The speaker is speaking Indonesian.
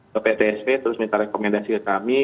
ke ptsp terus minta rekomendasi ke kami